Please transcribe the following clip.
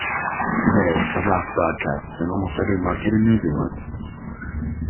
Today The Rock broadcasts in almost every market in New Zealand.